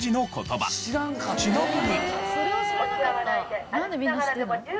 ちなみに。